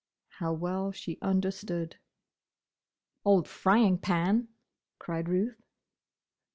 How well she understood! "Old frying pan!" cried Ruth.